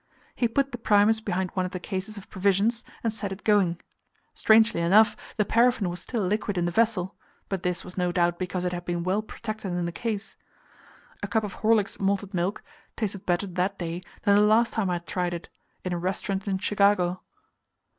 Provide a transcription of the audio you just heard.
He put the Primus behind one of the cases of provisions, and set it going; strangely enough, the paraffin was still liquid in the vessel, but this was no doubt because it had been well protected in the case. A cup of Horlick's Malted Milk tasted better that day than the last time I had tried it in a restaurant in Chicago.